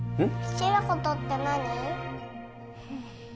好きなことって何？